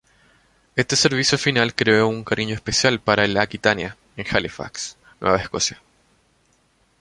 Este servicio final creó un cariño especial para el "Aquitania" en Halifax, Nueva Escocia.